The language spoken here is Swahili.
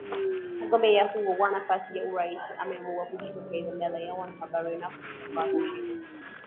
mgombea huyo wa nafasi ya urais ameamua kujitokeza mbele ya wanahabari na kujitangaza mshindi